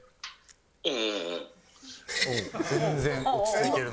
全然落ち着いてるな。